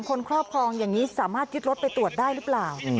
ครอบครองอย่างนี้สามารถยึดรถไปตรวจได้หรือเปล่า